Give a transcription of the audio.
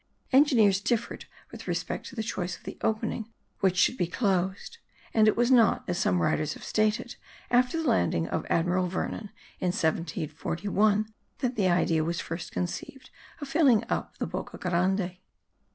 Engineers differed respecting the choice of the opening which should be closed; and it was not, as some writers have stated, after the landing of Admiral Vernon, in 1741, that the idea was first conceived* of filling up the Boca Grande.